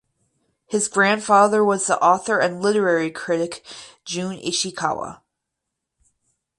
His grandfather was the author and literary critic Jun Ishikawa.